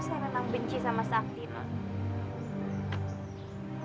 saya benci sama sakti non